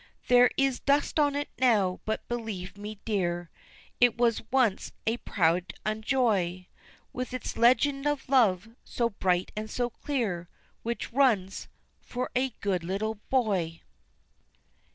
There is dust on it now, but believe me, dear, It was once a pride and a joy, With its legend of love, so bright and so clear, Which runs, "For a good little Boy."